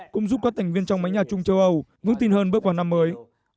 cũng giúp các thành viên trong mấy nhà chung châu âu ngưỡng tin hơn bước vào năm mới